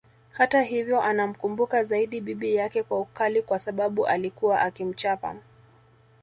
Hata hivyo anamkumbuka zaidi bibi yake kwa ukali kwa sababu alikuwa akimchapa